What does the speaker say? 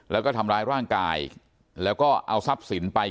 แล้วก็ทำร้ายร่างกายแล้วก็เอาทรัพย์สินไป